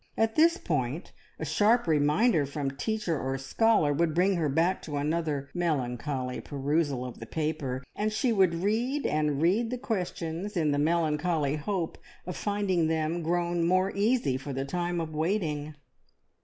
At this point a sharp reminder from teacher or scholar would bring her back to another melancholy perusal of the paper, and she would read and read the questions, in the melancholy hope of finding them grown more easy for the time of waiting.